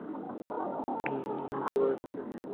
কেউ আমাকে কিছুই বলেনি।